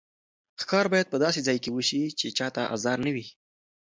ښکار باید په داسې ځای کې وشي چې چا ته ازار نه وي.